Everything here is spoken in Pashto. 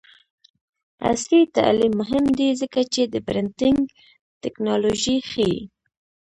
عصري تعلیم مهم دی ځکه چې د پرنټینګ ټیکنالوژي ښيي.